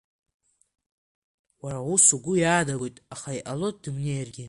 Уара ус угәы иаанагоит, аха иҟалоит дымнеиргьы.